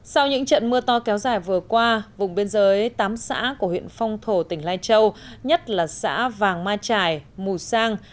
sau những trận mưa to kéo dài vừa qua vùng biên giới tám xã của huyện phong thổ tỉnh lai châu nhất là xã vàng ma trải mù sang